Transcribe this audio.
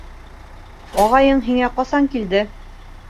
Ағайың һиңә ҡасан килде?